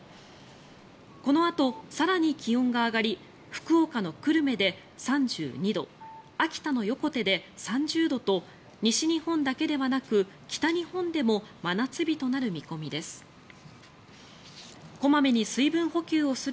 このあと更に気温が上がり福岡の久留米で３２度秋田の横手で３０度と西日本だけではなく北日本でも真夏日となる見込みです。